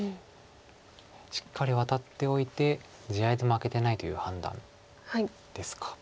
しっかりワタっておいて地合いで負けてないという判断ですか。